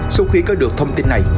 sau khi có được thông tin này